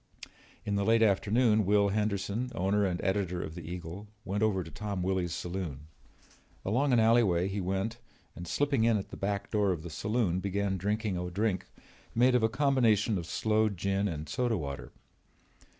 In the late afternoon Will Henderson, owner and editor of the Eagle, went over to Tom Willy's saloon. Along an alleyway he went and slipping in at the back door of the saloon began drinking a drink made of a combination of sloe gin and soda water.